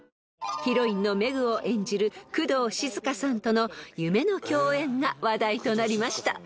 ［ヒロインのメグを演じる工藤静香さんとの夢の共演が話題となりました］